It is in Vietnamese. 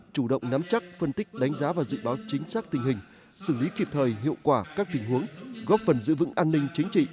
chủ động nắm chắc phân tích đánh giá và dự báo chính xác tình hình xử lý kịp thời hiệu quả các tình huống góp phần giữ vững an ninh chính trị